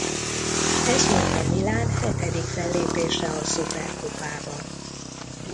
Ez volt a Milan hetedik fellépése a szuperkupában.